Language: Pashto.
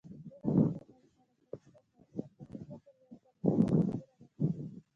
تېره ورځ د افغانستان او پاکستان سرحدي ځواکونو یو پر بل ټکونه وکړل.